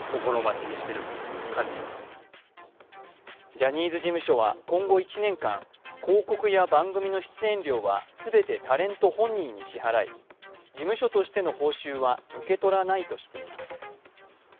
ジャニーズ事務所は今後１年間、広告や番組の出演料は全てタレント本人に支払い事務所としての報酬は受け取らないとしています。